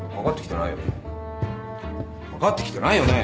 かかってきてないよね？